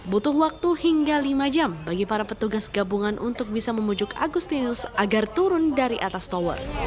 butuh waktu hingga lima jam bagi para petugas gabungan untuk bisa memujuk agustinus agar turun dari atas tower